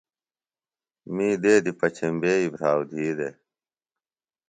می دیدیۡ پچھمبیئی بھراو دھی دےۡ